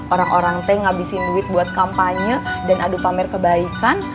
orang orang teh ngabisin duit buat kampanye dan adu pamer kebaikan